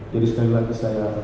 jadi sekali lagi saya